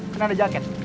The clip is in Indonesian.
kena ada jaket